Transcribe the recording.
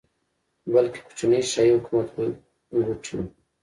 بلکې کوچني شاهي حکومت ګوټي وو.